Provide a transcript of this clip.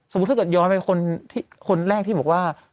ถ้าเกิดย้อนไปคนแรกที่บอกว่า